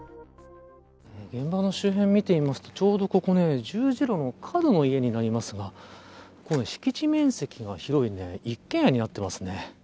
現場の周辺を見てみますとちょうど、ここね十字路の角になりますが敷地面積が広い一軒家になっていますね。